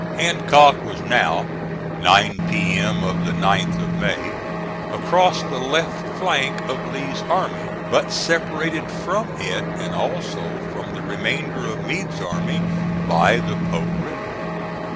Hancock was now, nine P.M. of the 9th of May, across the left flank of Lee's army, but separated from it, and also from the remainder of Meade's army, by the Po River.